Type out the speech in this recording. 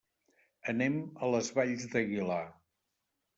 Anem a les Valls d'Aguilar.